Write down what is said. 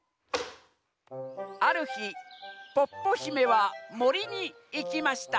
「あるひポッポひめはもりにいきました」。